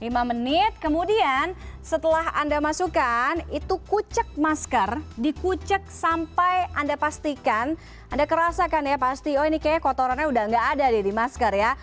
lima menit kemudian setelah anda masukkan itu kucek masker dikucek sampai anda pastikan anda kerasakan ya pasti oh ini kayaknya kotorannya udah nggak ada di masker ya